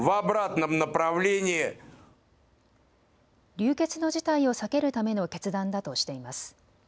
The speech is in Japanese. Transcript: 流血の事態を避けるための決断だとしています。